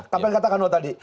kapan katakan lo tadi